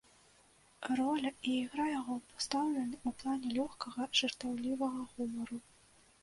Роля і ігра яго пастаўлены ў плане лёгкага, жартаўлівага гумару.